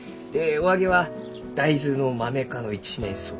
お揚げは大豆のマメ科の一年草。